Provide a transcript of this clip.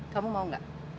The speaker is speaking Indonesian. kamu mau gak